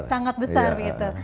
sangat besar begitu